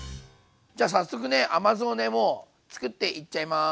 じゃ早速ね甘酢をねもうつくっていっちゃいます。